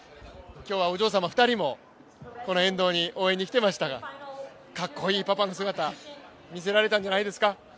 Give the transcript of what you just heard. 今日はお嬢さんの２人も沿道に応援に来ていましたがかっこいいパパの姿見せられたんじゃないですか。